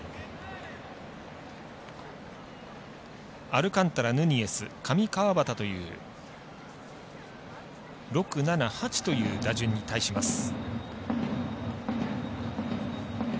アルカンタラ、ヌニエス上川畑という６、７、８という打順に対します。